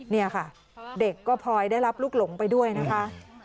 นี่ค่ะเด็กก็พลอยได้รับลูกหลงไปด้วยนะคะ